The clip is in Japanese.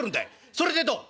それでどう？」。